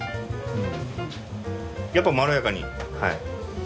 やっぱまろやかに。